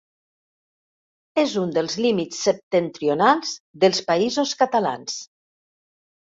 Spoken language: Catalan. És un dels límits septentrionals dels Països Catalans.